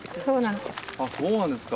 そうなの。